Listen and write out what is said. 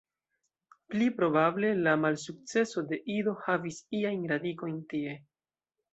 Pli probable la malsukceso de Ido havis iajn radikojn tie.